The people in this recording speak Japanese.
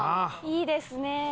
いいですね。